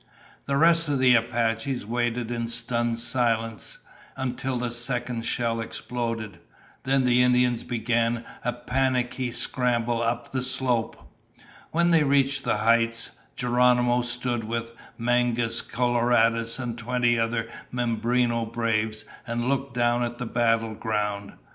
The rest of the Apaches waited in stunned silence until the second shell exploded. Then the Indians began a panicky scramble up the slope. When they reached the heights, Geronimo stood with Mangus Coloradus and twenty other Mimbreno braves and looked down on the battle ground.